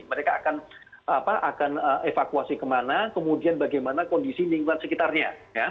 mereka akan evakuasi kemana kemudian bagaimana kondisi lingkungan sekitarnya